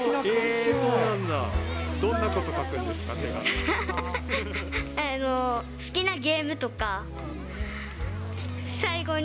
そうなんだ、どんなこと書くんですか？